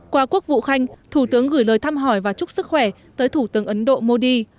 qua quốc vụ khanh thủ tướng gửi lời thăm hỏi và chúc sức khỏe tới thủ tướng ấn độ modi